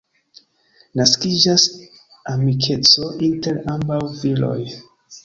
Naskiĝas amikeco inter ambaŭ viroj.